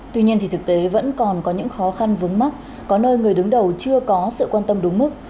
tuy nhiên thì thực tế vẫn còn có những khó khăn vướng mắt có nơi người đứng đầu chưa có sự quan tâm đúng mức